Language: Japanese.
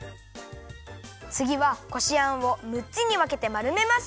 つぎはこしあんをむっつにわけてまるめます。